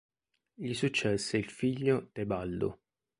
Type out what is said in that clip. Gli successe il figlio Tebaldo.